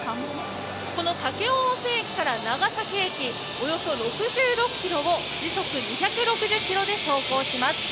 この武雄温泉駅から長崎駅、およそ６６ｋｍを時速２６０キロで走行します。